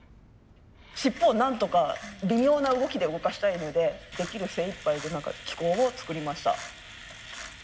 尻尾をなんとか微妙な動きで動かしたいのでできる精いっぱいで機構を作りました。